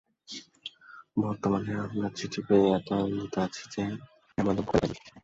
বর্তমানে আপনার চিঠি পেয়ে এত আনন্দে আছি যে, এমন আনন্দ বহুকাল পাইনি।